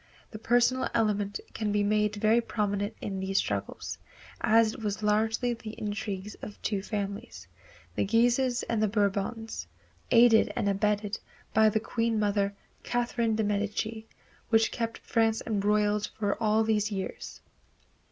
The personal element can be made very prominent in these struggles, as it was largely the intrigues of two families, the Guises and the Bourbons, aided and abetted by the Queen Mother, Catherine de Medici, which kept France embroiled for all these years.